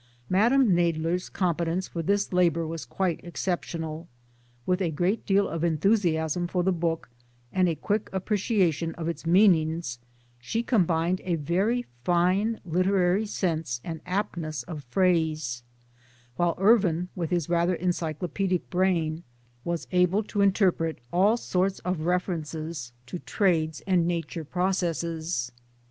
Mme. Nadler's competence for this labour was quite exceptional. With a great enthusiasm for the book and a quick 1 appreciation of its meanings, she combined a very fine literary sense and aptness of phrase ; while Ervin with his rather encyclo paedic brain was able to interpret all sorts of refer 272 MY DAYS AND DREAMS ences to trades and Nature processes.